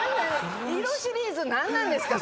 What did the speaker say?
色シリーズ何なんですか